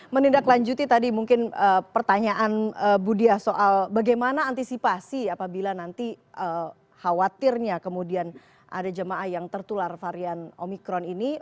menindaklanjuti tadi mungkin pertanyaan bu diah soal bagaimana antisipasi apabila nanti khawatirnya kemudian ada jemaah yang tertular varian omikron ini